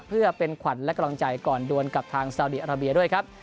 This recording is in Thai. เพื่อเป็นขวัญและกำลังใจก่อนดวนกับทางซาวดีอาราเบียด้วยครับ